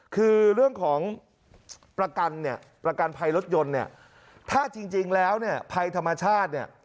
คือเรื่องของประกันเนี่ยประกันภัยรถยนต์เนี่ยถ้าจริงแล้วเนี่ยภัยธรรมชาติเนี่ย